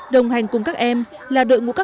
đồng hành cùng các em là đội ngũ các